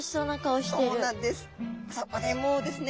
そこでもうですね